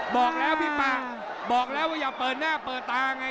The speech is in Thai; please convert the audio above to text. บอกแล้วพี่ปะบอกแล้วว่าอย่าเปิดหน้าเปิดตาไง